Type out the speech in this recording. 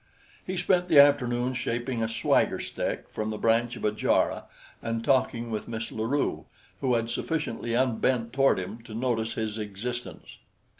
He spent the afternoon shaping a swagger stick from the branch of jarrah and talking with Miss La Rue, who had sufficiently unbent toward him to notice his existence.